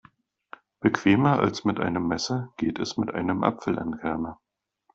Bequemer als mit einem Messer geht es mit einem Apfelentkerner.